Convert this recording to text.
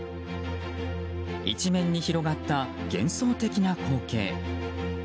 一面に広がった幻想的な光景。